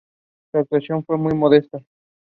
He also is the uncle of Jean-Dominique Maraldi.